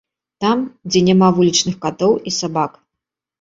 Там, дзе няма вулічных катоў і сабак.